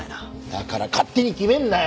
だから勝手に決めんなよ！